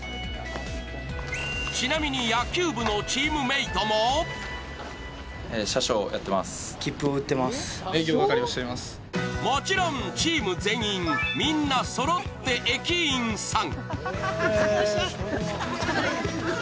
ちなみに野球部のチームメートももちろんチーム全員、みんなそろって駅員さん。